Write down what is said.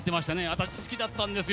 私好きだったんですよ